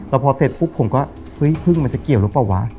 แล้วพอเสร็จปุ๊บผมก็เฮ้ยพึ่งมันจะเกี่ยวหรือเปล่าวะ